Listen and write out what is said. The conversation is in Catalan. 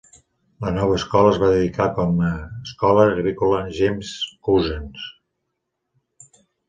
La nova escola es va dedicar com a "Escola agrícola James Couzens".